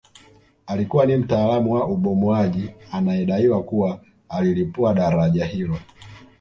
Alikuwa ni mtaalamu wa ubomoaji anayedaiwa kuwa alilipua daraja hilo